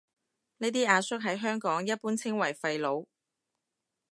呢啲阿叔喺香港一般稱為廢老